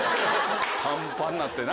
パンパンになってな。